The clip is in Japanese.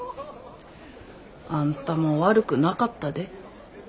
あんたも悪くなかったで。